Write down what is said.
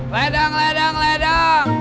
ledang ledang ledang